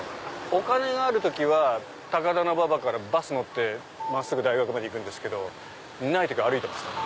お金がある時は高田馬場からバス乗って真っすぐ大学まで行くけどない時は歩いてましたね。